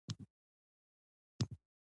په پایله کې جامې د ماشوم په بدن تنګیږي.